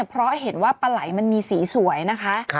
เพราะเห็นว่าปลาไหลมันมีสีสวยนะคะ